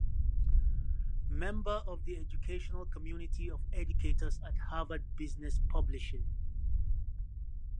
Member of the Educational Community of Educators at Harvard Business Publishing.